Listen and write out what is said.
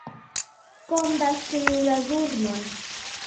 Com descriu les urnes?